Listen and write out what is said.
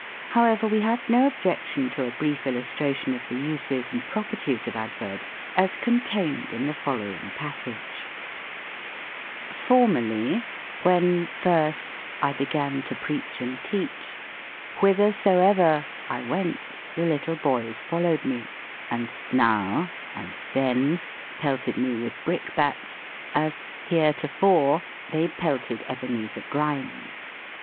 However, we have no objection to a brief illustration of the uses and proper ties of adverbs, as contained in the following passage :—" Formerly, when first I began to preach and to teach, whithersoever I went, the little boys followed me, and now and then pelted me with brick bats, as heretofore they pelted Ebenezer Grimes.